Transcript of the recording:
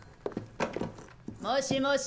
☎もしもし。